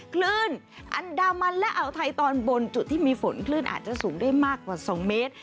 คลื่นอันดามันและอ่าวไทยตอนบนจุดที่มีฝนคลื่นอาจจะสูงได้มากกว่า๒เมตร